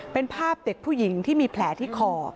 เป็นภาพเด็กผู้หญิงที่มีแผลที่คอ